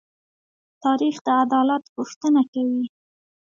تاریخ د عدالت غوښتنه کوي.